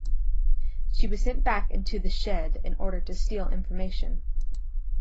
She was sent back into The Shed in order to steal information.